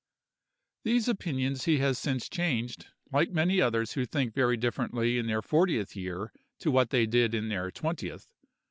These opinions he has since changed, like many others who think very differently in their fortieth year to what they did in their twentieth.